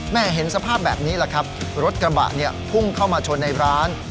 แม่เห็นสภาพแบบนี้ล่ะครับรถกระบะพุ่งเข้ามาชนในร้าน